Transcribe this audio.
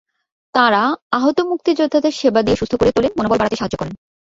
তঁারা আহত মুক্তিযোদ্ধাদের সেবা দিয়ে সুস্থ করে তোলেন, মনোবল বাড়াতে সাহায্য করেন।